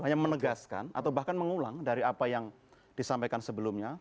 hanya menegaskan atau bahkan mengulang dari apa yang disampaikan sebelumnya